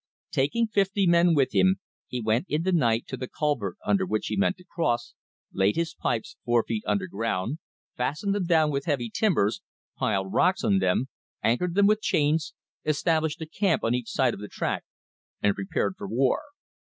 Taking fifty men with him he went in the night to the culvert under which he meant to cross, laid his pipes four feet under ground, fastened them down with heavy timbers, piled rocks on them, anchored them with chains, established a camp on each side of the track, and prepared for war.